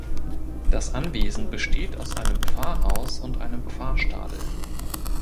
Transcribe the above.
Das Anwesen besteht aus einem Pfarrhaus und einem Pfarrstadel.